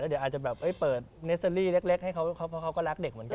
เดี๋ยวอาจจะแบบเปิดเนสเตอรี่เล็กให้เขาเพราะเขาก็รักเด็กเหมือนกัน